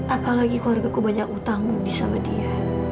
apalagi keluarga ku banyak utang gudis sama dia